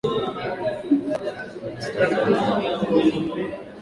tanoKwa hivyo neno Kingalu kifupi cha Kingalungalu lilisimama badala ya neno Mfalme au